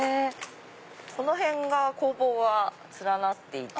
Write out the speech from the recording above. この辺が工房が連なっていて。